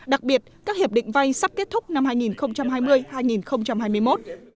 đặc biệt các hiệp định vay sắp kết thúc năm hai nghìn hai mươi hai nghìn hai mươi một